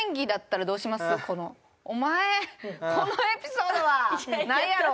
「お前このエピソードはないやろ！」。